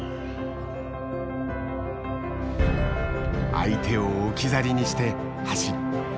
相手を置き去りにして走る。